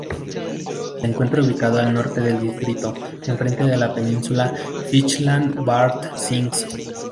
Se encuentra ubicado al norte del distrito, enfrente de la península Fischland-Darß-Zingst.